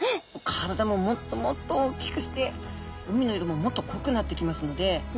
体ももっともっと大きくして海の色ももっと濃くなってきますのではい。